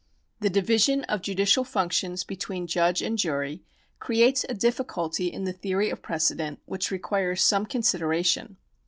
The division of judicial functions between judge and jury creates a difficulty in the theory of precedent which requires some consideration.